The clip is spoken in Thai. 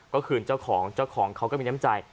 ก็คืนเจ้าของเจ้าของเขาก็มีน้ำใจ